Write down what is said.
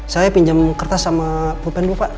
saya pinjam kertas sama pulpen dulu pak